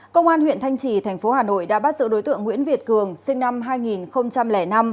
công an huyện thanh trì thành phố hà nội đã bắt giữ đối tượng nguyễn việt cường sinh năm hai nghìn năm